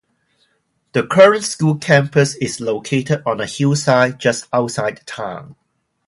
The current school campus is located on a hillside just outside town.